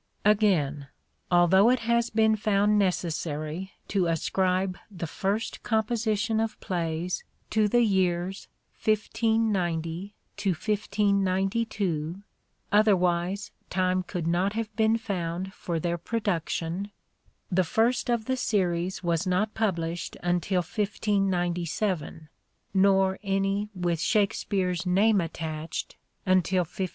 Again, although it has been found necessary to ascribe the first composition of plays to the years 1590 1592 — otherwise time could not have been found for their production — the first of the series was not published until 1597, nor any with " Shakespeare's " name attached until 1598.